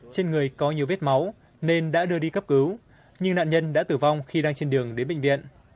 trên người có nhiều vết máu nên đã đưa đi cấp cứu nhưng nạn nhân đã tử vong khi đang trên đường đến bệnh viện